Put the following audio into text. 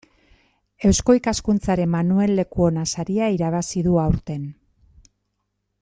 Eusko Ikaskuntzaren Manuel Lekuona saria irabazi du aurten.